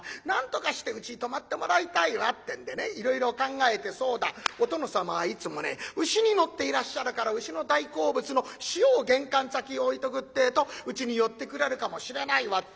なんとかしてうちに泊まってもらいたいわ」ってんでねいろいろ考えて「そうだお殿様はいつもね牛に乗っていらっしゃるから牛の大好物の塩を玄関先へ置いとくってえとうちに寄ってくれるかもしれないわ」